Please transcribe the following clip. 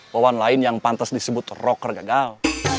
pohon lain yang pantas disebut rocker gagal